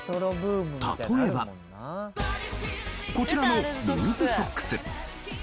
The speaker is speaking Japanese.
例えば。こちらのルーズソックス。